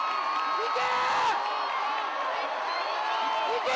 行け！